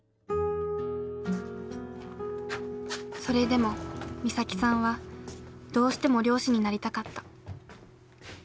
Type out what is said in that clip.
それでも岬さんはどうしても漁師になりたかった。